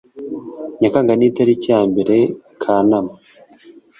nyakanga n itariki yambere kanama